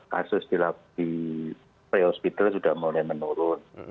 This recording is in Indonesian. kasus di pre hospital sudah mulai menurun